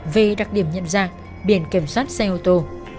về đặc điểm nhận ra biển kiểm soát xe ô tô